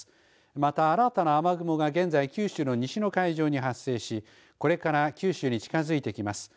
また新たな雨雲が現在九州の西の海上に発生しこれから九州に近づいてきます。